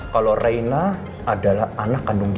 kalau reyna adalah anak kandung dia